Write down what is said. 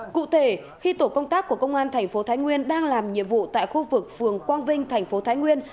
khi tổ công tác của công an tp thái nguyên đang làm nhiệm vụ tại khu vực phường quang vinh tp thái nguyên